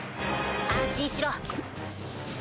安心しろ。